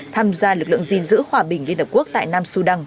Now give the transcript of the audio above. tham gia lực lượng gìn giữ hòa bình liên hợp quốc tại nam sudan